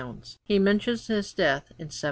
He mentions his death in 1779.